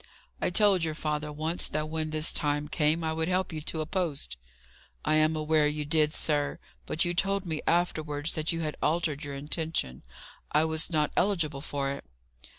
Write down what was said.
"I told your father once, that when this time came, I would help you to a post." "I am aware you did, sir. But you told me afterwards that you had altered your intention I was not eligible for it."